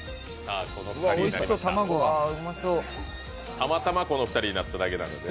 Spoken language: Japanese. たまたまこの２人になっただけなのでね。